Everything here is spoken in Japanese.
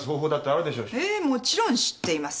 ええもちろん知っています。